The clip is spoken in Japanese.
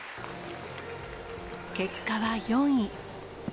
結果は４位。